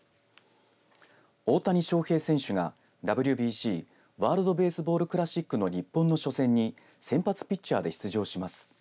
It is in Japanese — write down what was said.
大谷翔平選手がＷＢＣワールド・ベースボール・クラシックの日本の初戦に先発ピッチャーで出場します。